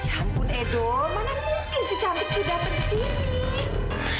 ya ampun edo mana mungkin si cantik tuh datang ke sini